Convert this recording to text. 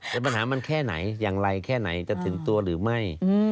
แต่ปัญหามันแค่ไหนอย่างไรแค่ไหนจะถึงตัวหรือไม่